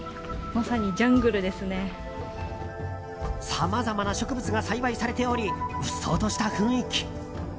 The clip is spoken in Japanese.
さまざまな植物が栽培されておりうっそうとした雰囲気。